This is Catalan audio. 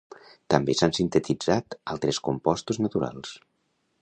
També s'han sintetitzat altres compostos naturals.